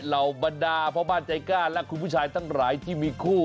เหล่าบรรดาพ่อบ้านใจกล้าและคุณผู้ชายทั้งหลายที่มีคู่